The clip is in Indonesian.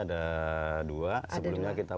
ada dua sebelumnya kita